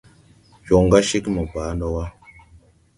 Jɔŋ ga cegè mo baa ndo wà.